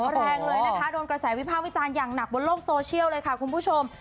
แรงเลยนะคะโดนกระแสวิภาควิจารณ์อย่างหนักบนโลกโซเชียลเลยค่ะคุณผู้ชม